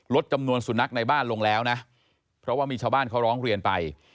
จำนวนสุนัขในบ้านลงแล้วนะเพราะว่ามีชาวบ้านเขาร้องเรียนไป